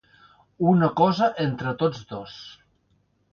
Una cosa entre tots dos.